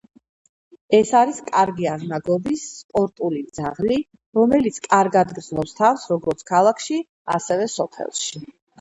ეს არის კარგი აღნაგობის, სპორტული ძაღლი, რომელიც კარგად გრძნობს თავს როგორც ქალაქში, ასევე სოფელში.